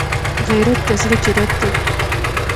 غیرت د زړه جرأت دی